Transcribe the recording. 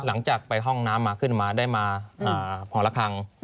หลังจากไปห้องน้ำมาขึ้นมาได้มาพอละครั้ง